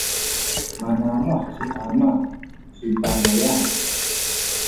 manamuh ci ama ci Panayan.